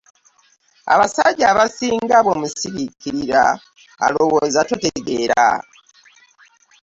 abasajja abasinga bw'omusiriikirira alowooza totegeera.